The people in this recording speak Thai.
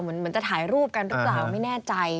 เหมือนจะถ่ายรูปกันหรือเปล่าไม่แน่ใจ